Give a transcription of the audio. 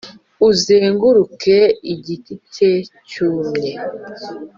uzenguruke igiti cye cyumye.